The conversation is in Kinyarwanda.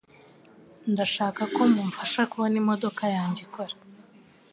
Ndashaka ko mumfasha kubona imodoka yanjye ikora